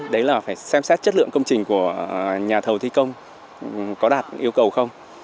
đấy là phải xem xét chất lượng công trình của nhà thầu thi công có đạt yêu cầu không